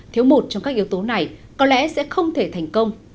thiếu một trong các yếu tố này có lẽ sẽ không thể thành công